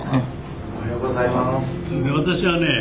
おはようございます。